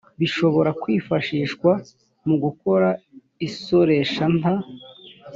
bishobora kwifashishwa mu gukora isoresha nta